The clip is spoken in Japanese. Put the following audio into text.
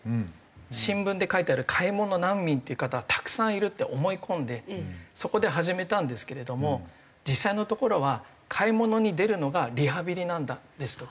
新聞で書いてある買い物難民っていう方はたくさんいるって思い込んでそこで始めたんですけれども実際のところは「買い物に出るのがリハビリなんだ」ですとか。